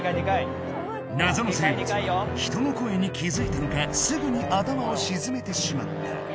謎の生物は人の声に気づいたのかすぐに頭を沈めてしまった